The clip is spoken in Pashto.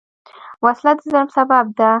وسله د ظلم سبب ده